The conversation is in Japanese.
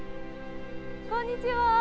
こんにちは。